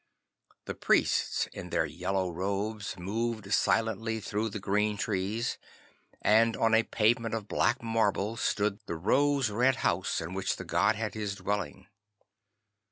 The priests in their yellow robes moved silently through the green trees, and on a pavement of black marble stood the rose red house in which the god had his dwelling.